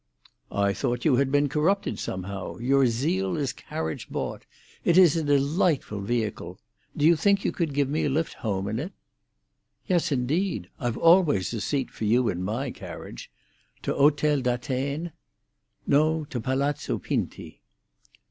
"I thought you had been corrupted, somehow. Your zeal is carriage bought. It is a delightful vehicle. Do you think you could give me a lift home in it?" "Yes, indeed. I've always a seat for you in my carriage. To Hotel d'Atene?" "No, to Palazzo Pinti."